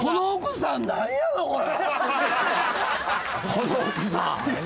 この奥さん。